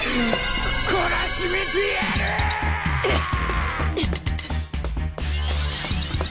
懲らしめてやるっ！！